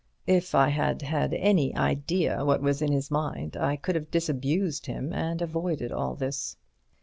If I had had any idea what was in his mind I could have disabused him and avoided all this."